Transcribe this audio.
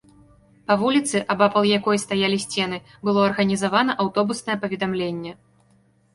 Па вуліцы, абапал якой стаялі сцены, было арганізавана аўтобуснае паведамленне.